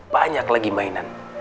banyak lagi mainan